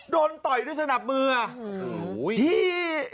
โดนต่อยด้วยสนับมือโอ้โฮ